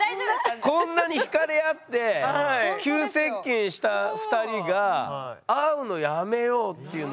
こんなにひかれ合って急接近した２人が「会うのやめよう」っていうのは？